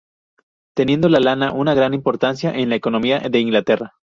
Teniendo la lana una gran importancia en la economía de Inglaterra.